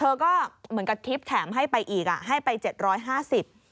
เธอก็เหมือนกับทริปแถมให้ไปอีกให้ไป๗๕๐บาท